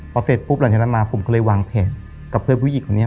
พอเสร็จปุ๊บหลังจากนั้นมาผมก็เลยวางเพจกับเพื่อนผู้หญิงคนนี้